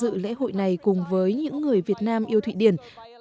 tôi rất vui vì được tham dự lễ hội này cùng với những người việt nam yêu thụy điển